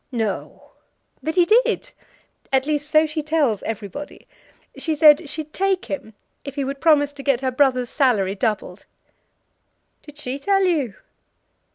"No!" "But he did; at least, so she tells everybody. She said she'd take him if he would promise to get her brother's salary doubled." "Did she tell you?"